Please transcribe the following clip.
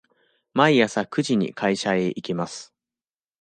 毎朝九時に会社へ行きます。